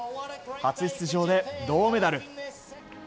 初出場で銅メダル。